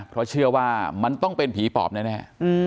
เพราะเชื่อว่ามันต้องเป็นผีปอบแน่